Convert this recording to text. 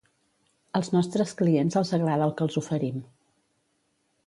Als nostres clients els agrada el que els oferim.